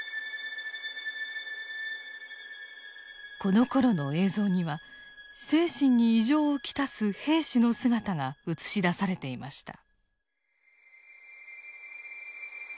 このころの映像には精神に異常を来す兵士の姿が映し出されていました。